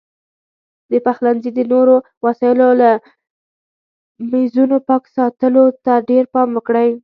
د پخلنځي او نورو وسایلو لکه میزونو پاک ساتلو ته ډېر پام وکړئ.